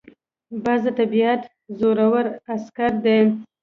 باز د طبیعت زړور عسکر دی